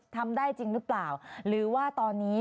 ทำได้จริงหรือเปล่าหรือว่าตอนนี้